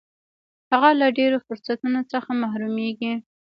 هغه له ډېرو فرصتونو څخه محرومیږي.